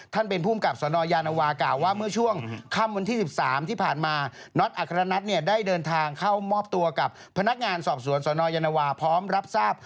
ท่านเป็นภูมิกับสวนอยานวา